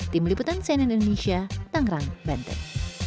tim liputan cnn indonesia tangerang banten